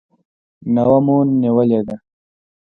نوه مو نیولې ده.